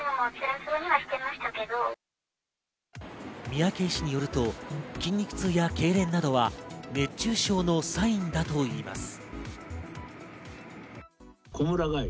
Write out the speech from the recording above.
三宅医師によると、筋肉痛やけいれんなどは熱中症のサインだといいます。